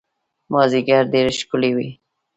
مازیګر ډېر ښکلی وي